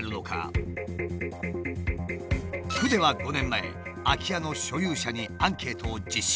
区では５年前空き家の所有者にアンケートを実施。